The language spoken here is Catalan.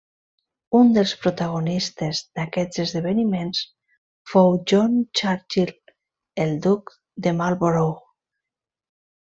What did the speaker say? Un dels protagonistes d'aquests esdeveniments fou John Churchill, el duc de Marlborough.